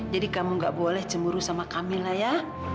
jadi kamu gak boleh cemburu sama kamila ya